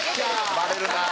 バレるなあ。